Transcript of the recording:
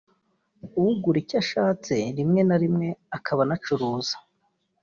agura icyo ashaste rimwe na rimwe akaba anacuruza